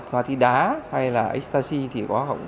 hoa tí đá hay là ecstasy thì có